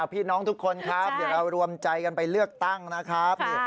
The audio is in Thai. พี่น้องทุกคนครับเดี๋ยวเรารวมใจกันไปเลือกตั้งนะครับ